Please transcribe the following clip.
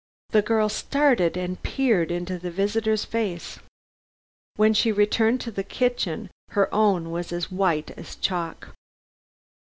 The girl started and peered into the visitor's face. When she returned to the kitchen her own was as white as chalk.